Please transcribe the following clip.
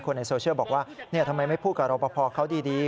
ในโซเชียลบอกว่าทำไมไม่พูดกับรอปภเขาดี